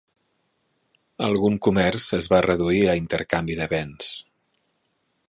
Algun comerç es va reduir a intercanvi de bens.